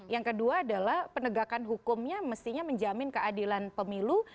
yang kedua adalah penegakan hukumnya mestinya menjamin keadilan pemilu